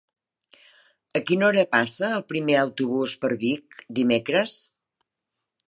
A quina hora passa el primer autobús per Vic dimecres?